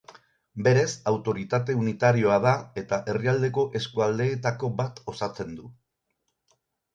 Berez autoritate unitarioa da eta herrialdeko eskualdeetako bat osatzen du.